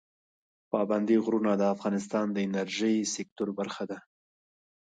پابندی غرونه د افغانستان د انرژۍ سکتور برخه ده.